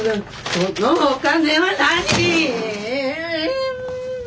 このお金は何！